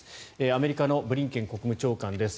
アメリカのブリンケン国務長官です。